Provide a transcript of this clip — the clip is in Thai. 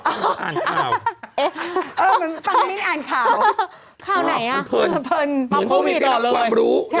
ที่มีต๊อบเป็นคนฟังชอบฟังจะอ่านข่าว